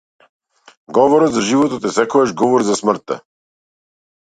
Говорот за животот е секогаш говор за смртта.